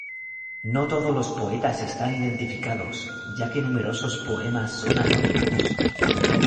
No todos los poetas están identificados, ya que numerosos poemas son anónimos.